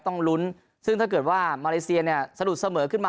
ต้องลุ้นซึ่งถ้าเกิดว่ามาเลเซียเนี่ยสะดุดเสมอขึ้นมา